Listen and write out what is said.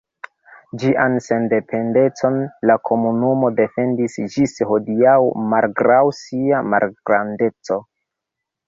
Ĝian sendependecon la komunumo defendis ĝis hodiaŭ malgraŭ sia malgrandeco.